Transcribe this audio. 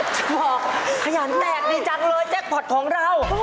จะบอกขยันแตกดีจังเลยแจ็คพอร์ตของเรา